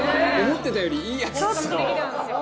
思ってたよりいいやつ。